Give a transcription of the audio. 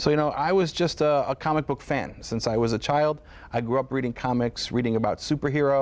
แล้วเมื่อไหร่ค่ะที่เริ่มจะมาสนใจอาชีพนักวาดการ์ตูน